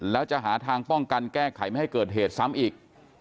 แล้วจะหาทางป้องกันแก้ไขไม่ให้เกิดเหตุซ้ำอีก